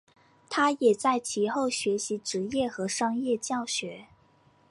他也在其后学习职业和商业教学。